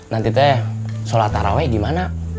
nanti teh sholat taraweh gimana